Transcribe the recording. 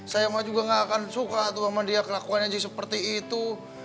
saya mah juga nggak akan suka tuh sama dia kelakuan aja seperti itu